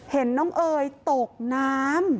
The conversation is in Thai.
เห็นน้องเอ๋ยตกน้ำ